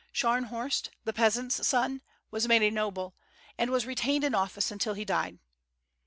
Scharnhorst, the peasant's son, was made a noble, and was retained in office until he died.